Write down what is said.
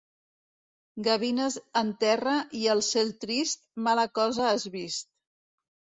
Gavines en terra i el cel trist, mala cosa has vist.